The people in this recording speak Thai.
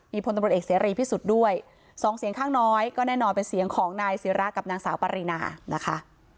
พลตำรวจเอกเสรีพิสุทธิ์ด้วยสองเสียงข้างน้อยก็แน่นอนเป็นเสียงของนายศิรากับนางสาวปรินานะคะ